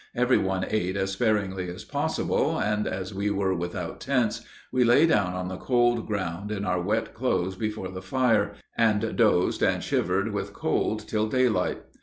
Every one ate as sparingly as possible, and as we were without tents, we lay down on the cold ground in our wet clothes before the fire, and dozed and shivered with cold till daylight.